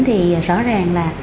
thì rõ ràng là